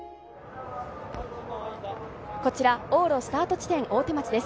こちら往路スタート地点、大手町です。